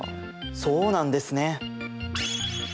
そうなんですね。